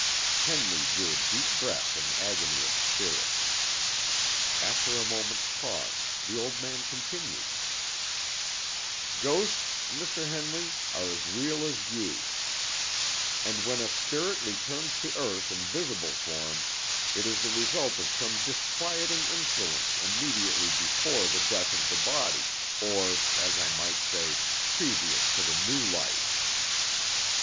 Henley drew a deep breath in agony of spirit. After a moment's pause, the old man continued: "Ghosts, Mr. Henley, are as real as you; and when a spirit returns to earth in visible form, it is the result of some disquieting influence immediately before the death of the body, or, as I might say, previous to the new life.